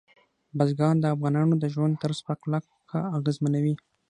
بزګان د افغانانو د ژوند طرز په کلکه اغېزمنوي.